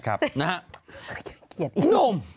คือนุ่ม